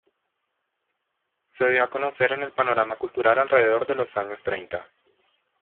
Se dio a conocer en el panorama cultural alrededor de los años treinta.